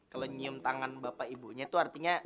kalau cium tangan bapak ibunya tuh artinya